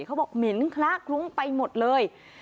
เขาบอกหมินคล้ากรุ้งไปหมดเลย